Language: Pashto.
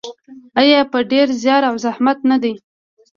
آیا په ډیر زیار او زحمت نه دی؟